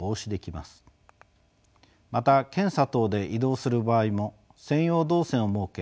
また検査等で移動する場合も専用動線を設け